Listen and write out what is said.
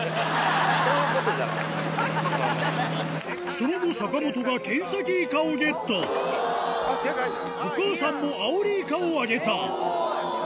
その後坂本がケンサキイカをゲットお母さんもアオリイカを揚げた一方